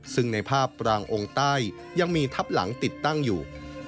ซึ่งในภาพปรางองค์ใต้ยังมีทับหลังติดตั้งอยู่